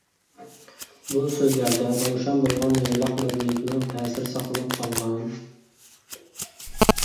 بۇ سۆزلەردە روشەن بولغان يايلاق مەدەنىيىتىنىڭ تەسىرى ساقلىنىپ قالغان.